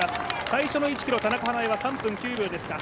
最初の１ｋｍ、田中華絵は３分９秒でした。